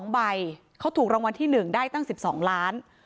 ๒ใบเขาถูกรางวัลที่๑ได้ตั้ง๑๒ล้าน